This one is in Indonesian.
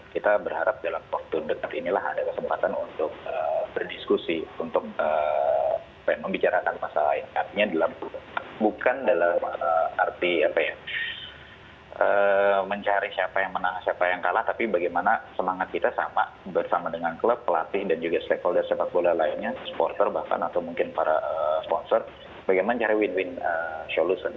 kita berharap dalam waktu dekat inilah ada kesempatan untuk berdiskusi untuk membicarakan masalah yang katanya dalam bukan dalam arti apa ya mencari siapa yang menang siapa yang kalah tapi bagaimana semangat kita sama bersama dengan klub pelatih dan juga stakeholder sepak bola lainnya supporter bahkan atau mungkin para sponsor bagaimana cari win win solution